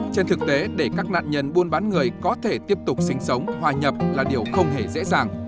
trên thực tế để các nạn nhân buôn bán người có thể tiếp tục sinh sống hòa nhập là điều không hề dễ dàng